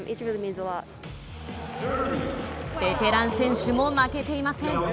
ベテラン選手も負けていません。